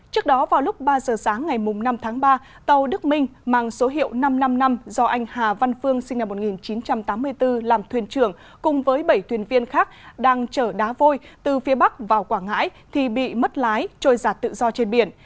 trước đó vào lúc ba giờ sáng ngày năm tháng ba tàu đức minh mang số hiệu năm trăm năm mươi năm do anh hà văn phương sinh năm một nghìn chín trăm tám mươi bốn làm thuyền trưởng cùng với bảy thuyền viên khác đang chở đá vôi từ phía bắc vào quảng ngãi thì bị mất lái trôi giặt tự do trên biển